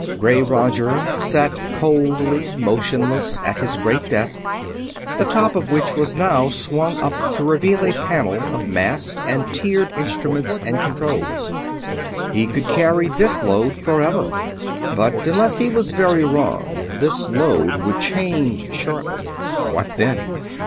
Gray Roger sat coldly motionless at his great desk, the top of which was now swung up to become a panel of massed and tiered instruments and controls. He could carry this load forever but unless he was very wrong, this load would change shortly. What then?